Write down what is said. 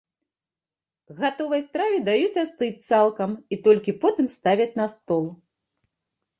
Гатовай страве даюць астыць цалкам і толькі потым ставяць на стол.